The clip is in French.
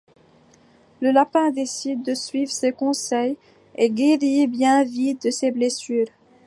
Le lapin décide de suivre ses conseils, et guérit bien vite de ses blessures.